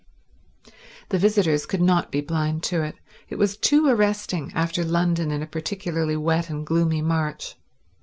The visitors could not be blind to it—it was too arresting after London in a particularly wet and gloomy March.